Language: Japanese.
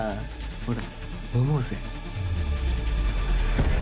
ほら飲もうぜ。